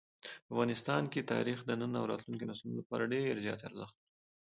افغانستان کې تاریخ د نن او راتلونکي نسلونو لپاره ډېر زیات ارزښت لري.